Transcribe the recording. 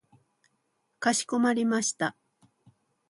かしこまりました。